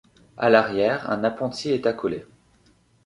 A l’arrière, un appentis est accolé.